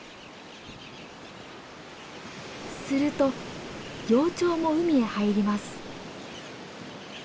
すると幼鳥も海へ入ります。